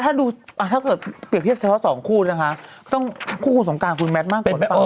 ถ้าเกิดเปรียบเทียบเฉพาะสองคู่นะคะต้องคู่สงการคู่แมทมากกว่า